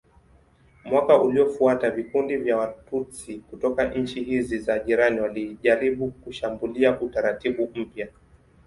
Mwaka uliofuata vikundi vya Watutsi kutoka nchi hizi za jirani walijaribu kushambulia utaratibu mpya.